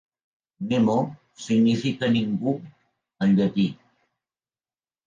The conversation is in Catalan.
"Nemo" significa "ningú" en llatí.